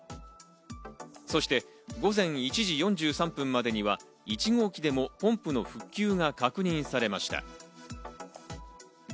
そして午前１時４３分までには、１号機でもポンプの復旧が確認されました。